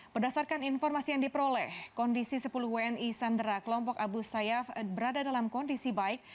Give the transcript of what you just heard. berdasarkan informasi yang diperoleh kondisi sepuluh wni sandera kelompok abu sayyaf berada dalam kondisi baik